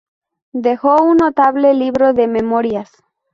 Dejó un notable libro de "Memorias".